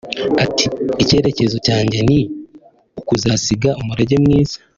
Ati “Icyerekezo cyanjye ni ukuzasiga umurage mwiza